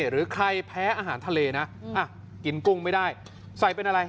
หรือใครแพ้อาหารทะเลนะกินกุ้งไม่ได้ใส่เป็นอะไร